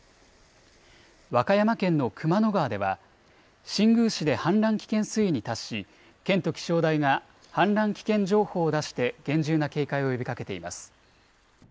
和歌山県の熊野川では、新宮市で氾濫危険水位に達し、県と気象台が氾濫危険情報を出して厳重な警戒を呼びかけています。